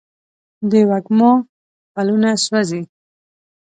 د وږمو پلونه سوزي